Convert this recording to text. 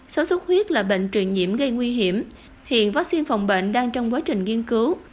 sốt xuất huyết là bệnh truyền nhiễm gây nguy hiểm hiện vaccine phòng bệnh đang trong quá trình nghiên cứu